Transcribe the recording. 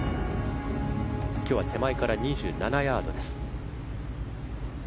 今日は手前から２７ヤードです。